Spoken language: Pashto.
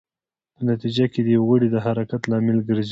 په نتېجه کې د یو غړي د حرکت لامل ګرځي.